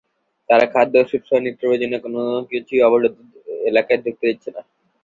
তারা খাদ্য, ওষুধসহ নিত্যপ্রয়োজনীয় কোনো কিছুই অবরুদ্ধ এলাকায় ঢুকতে দিচ্ছে না।